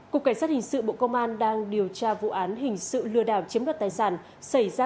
cục cảnh sát hình sự bộ công an đang điều tra vụ án hình sự lừa đảo chiếm đoạt tài sản xảy ra